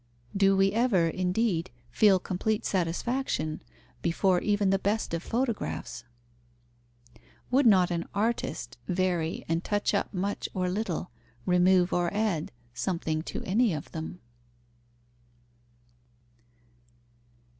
Do we ever, indeed, feel complete satisfaction before even the best of photographs? Would not an artist vary and touch up much or little, remove or add something to any of them?